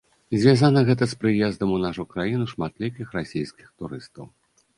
Звязана гэта з прыездам у нашу краіну шматлікіх расійскіх турыстаў.